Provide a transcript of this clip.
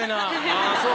あぁそう？